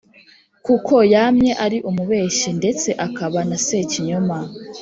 kuko yamye ari umubeshyi, ndetse akaba na Sekinyoma.